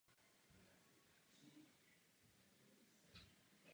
Překvapí vás, když odpovím, že přesně to jsem učinil.